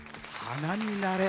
「花になれ」